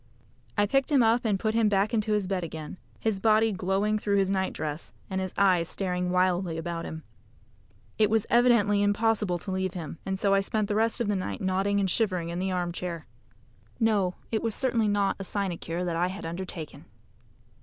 I picked him up and put him back into his bed again his body glowing through his night dress, and his eyes staring wildly about him. It was evidently impossible to leave him, and so I spent the rest of the night nodding and shivering in the armchair. No, it was certainly not a sinecure that I had undertaken.